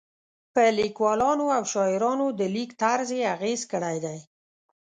په لیکوالو او شاعرانو د لیک طرز یې اغېز کړی دی.